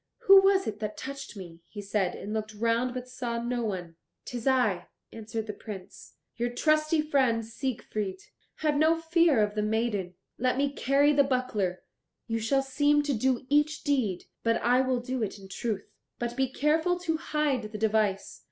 "Who was it that touched me?" he said, and looked round, but saw no one. "'Tis I," answered the Prince, "your trusty friend, Siegfried. Have no fear of the maiden. Let me carry the buckler; you shall seem to do each deed, but I will do it in truth. But be careful to hide the device.